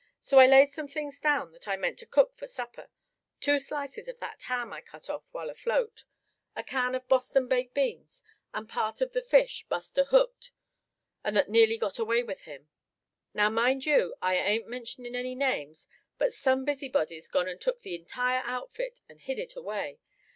So I laid some things down that I meant to cook for supper two slices of that ham I cut off while afloat; a can of Boston baked beans, and part of the fish Buster hooked and that nearly got away with him. Now, mind you, I ain't mentionin' any names, but some busybody's gone and took the entire outfit, and hid it away.